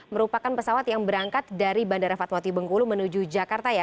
merupakan pesawat yang berangkat dari bandara fatwati bengkulu menuju jakarta ya